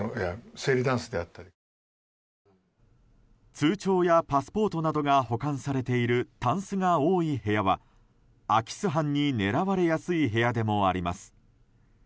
通帳やパスポートなどが保管されているたんすが多い部屋は空き巣犯に狙われやすい部屋でもあります。